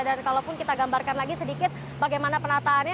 dan kalau pun kita gambarkan lagi sedikit bagaimana penataannya